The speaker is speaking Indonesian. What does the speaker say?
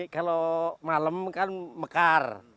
kalau malam kan mekar